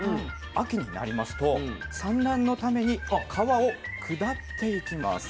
秋になりますと産卵のために川を下っていきます。